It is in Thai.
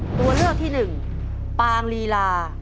ตัวเลือกที่หนึ่งปางลีลา